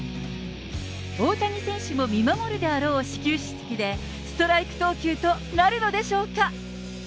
大谷選手も見守るであろう始球式で、ストライク投球となるのでしょうか。